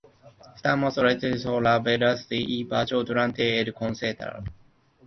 Stamos alternó la batería y el bajo durante el concierto.